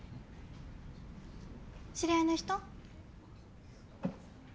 知り合いの人？